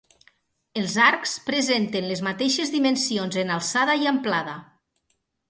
Els arcs presenten les mateixes dimensions en alçada i amplada.